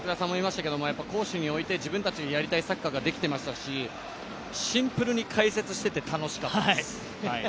攻守において自分たちのやりたいサッカーができていましたしシンプルに解説していて楽しかったです。